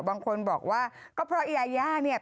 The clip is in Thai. บางคนบอกว่าก็เพราะยาย่าเนี่ย